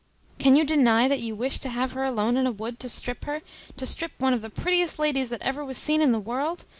Can you deny that you wished to have her alone in a wood to strip her to strip one of the prettiest ladies that ever was seen in the world?